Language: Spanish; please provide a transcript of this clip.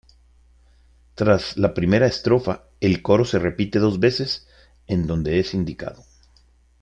Tras la primera estrofa el coro se repite dos veces en donde es indicado.